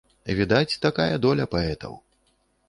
Відаць, такая доля паэтаў.